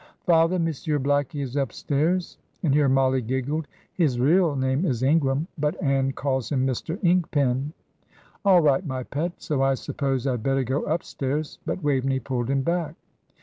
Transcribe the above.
"Father, Monsieur Blackie is upstairs!" and here Mollie giggled. "His real name is Ingram, but Ann calls him Mr. Ink pen." "All right, my pet; so I suppose I had better go upstairs;" but Waveney pulled him back.